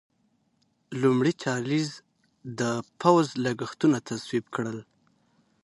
لومړي چارلېز د پوځ لګښتونه تصویب کړل.